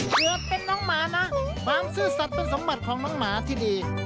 เกิดเป็นน้องหมานะความซื่อสัตว์เป็นสมบัติของน้องหมาที่ดี